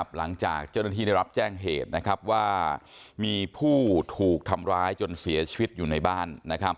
หลังจากเจ้าหน้าที่ได้รับแจ้งเหตุว่ามีผู้ถูกทำร้ายจนเสียชีวิตอยู่ในบ้าน